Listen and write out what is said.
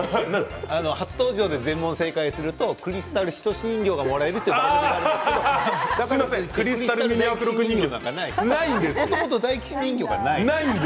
初登場で全問正解するとクリスタルひとし人形がもらえるという話があるんですけどクリスタルミニアフロ君人形はないんですよね。